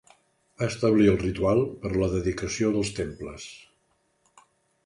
Va establir el ritual per a la dedicació dels temples.